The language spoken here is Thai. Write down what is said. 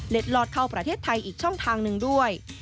ลอดเข้าประเทศไทยอีกช่องทางหนึ่งด้วย